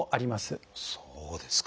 そうですか！